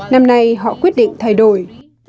năm nay họ quyết định thay đổi